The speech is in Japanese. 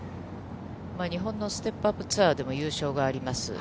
日本のステップアップツアーでも優勝があります。